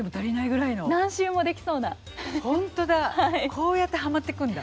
こうやってハマっていくんだ。